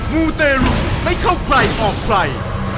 มูเตรุไม่เข้าใครออกใคร